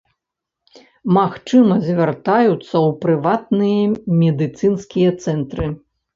Магчыма, звяртаюцца ў прыватныя медыцынскія цэнтры.